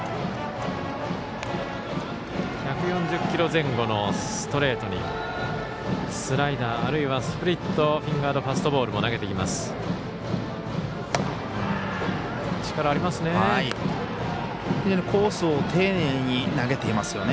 １４０キロ前後のストレートにスライダー、あるいはスプリットフィンガードファストボールも投げています。